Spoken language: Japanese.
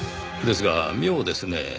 ですが妙ですねぇ。